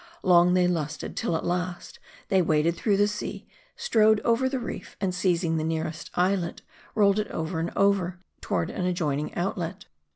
Long they lusted ; till at last, they waded through the sea, strode over the reef, and seizing the nearest islet, rolled it over and over, toward an adjoining outlet.